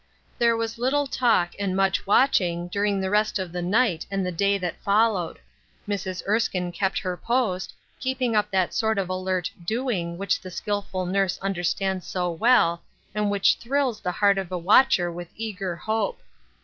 There was little talk and much watching during the rest of the night and the day that followed. Mrs. Erskine kept her post, keeping up that sort of alert doing which the skillful nurse understands so well, and which thrills the heart of a watcher with eager hope.